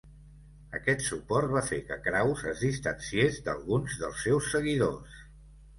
Aquest suport va fer que Kraus es distanciés d'alguns dels seus seguidors.